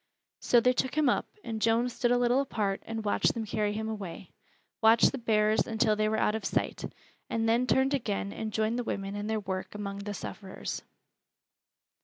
So they took him up, and Joan stood a little apart and watched them carry him away, watched the bearers until they were out of sight, and then turned again and joined the women in their work among the sufferers.